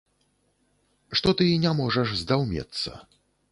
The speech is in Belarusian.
Што ты не можаш здаўмецца.